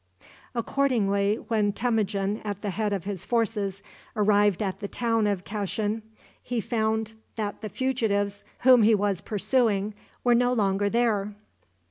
Accordingly, when Temujin, at the head of his forces, arrived at the town of Kashin, he found that the fugitives whom he was pursuing were no longer there.